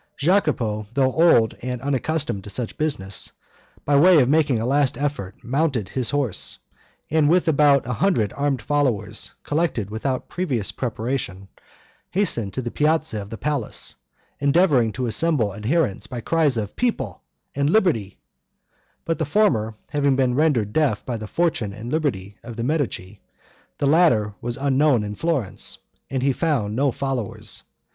Jacopo, though old and unaccustomed to such business, by way of making a last effort, mounted his horse, and, with about a hundred armed followers, collected without previous preparation, hastened to the piazza of the palace, and endeavored to assemble adherents by cries of "people," and "liberty;" but the former, having been rendered deaf by the fortune and liberty of the Medici, the latter was unknown in Florence, and he found no followers.